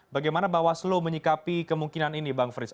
bagaimana bawaslu menyikapi kemungkinan ini bang frits